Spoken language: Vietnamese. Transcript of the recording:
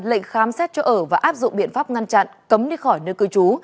lệnh khám xét cho ở và áp dụng biện pháp ngăn chặn cấm đi khỏi nơi cư trú